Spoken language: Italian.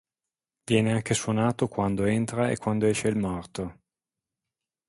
Viene anche suonata quando entra e quando esce il morto.